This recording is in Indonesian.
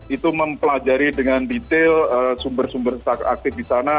itu mempelajari dengan detail sumber sumber aktif di sana